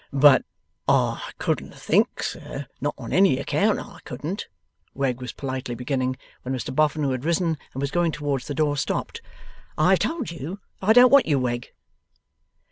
'But I couldn't think, sir not on any account, I couldn't,' Wegg was politely beginning, when Mr Boffin, who had risen and was going towards the door, stopped: 'I have told you that I don't want you, Wegg.